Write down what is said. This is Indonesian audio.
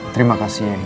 terima kasih ya angel